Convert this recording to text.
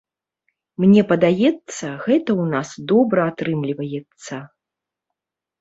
Мне падаецца, гэта ў нас добра атрымліваецца!